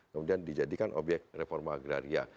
kemudian dijadikan obyek reforma agraria